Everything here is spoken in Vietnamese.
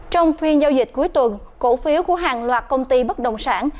trong phiên giao dịch cuối tuần cổ phiếu của hàng loạt công ty bất đồng sản